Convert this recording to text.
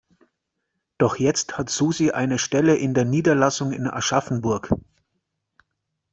Doch jetzt hat Susi eine Stelle in der Niederlassung in Aschaffenburg.